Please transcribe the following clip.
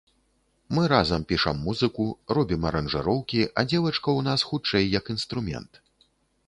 Мы разам пішам музыку, робім аранжыроўкі, а дзевачка ў нас хутчэй як інструмент.